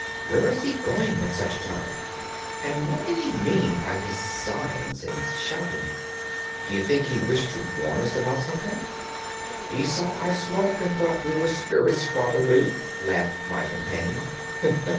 "Where is he going at such a time, and what did he mean by his signs and shouting? D'you think he wished to warn us about something?" "He saw our smoke, and thought we were spirits probably," laughed my companion.